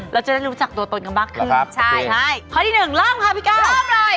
เราจะได้รู้จักตัวตนกันมากขึ้นใช่ใช่ข้อที่หนึ่งเริ่มค่ะพี่ก้าวเริ่มเลย